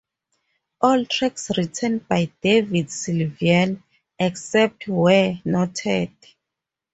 All tracks written by David Sylvian, except where noted.